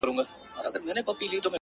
جنت د حورو دی ـ دوزخ د سيطانانو ځای دی ـ